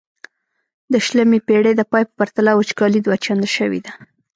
د شلمې پیړۍ د پای په پرتله وچکالي دوه چنده شوې ده.